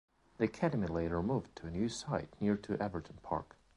The academy later moved to a new site near to Everton Park.